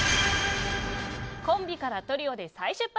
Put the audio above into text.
コンビからトリオで再出発！